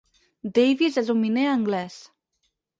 Davis és un miner anglès.